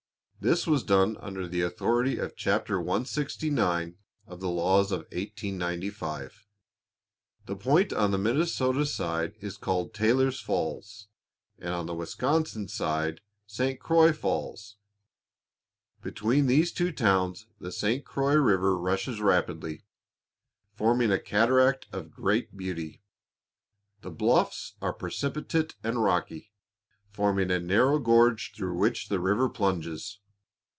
This was done under the authority of chapter 169 of the Laws of 1895. The point on the Minnesota side is called Taylor's Falls, and on the Wisconsin side St. Croix Falls. Between these two towns the St. Croix river rushes rapidly, forming a cataract of great beauty. The bluffs are precipitate and rocky, forming a narrow gorge through which the river plunges.